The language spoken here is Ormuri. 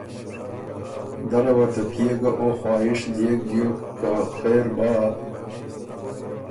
دله وه ته پئے ګه او خواهش ديېک بیوک که خېر بَۀ